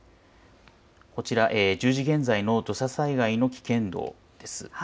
１０時現在の土砂災害の危険度です。